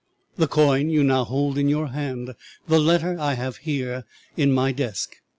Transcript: The coin you now hold in your hand, the letter I have here in my desk."